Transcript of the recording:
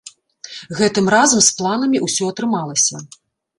Гэтым разам з планамі ўсё атрымалася.